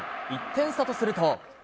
１点差とすると。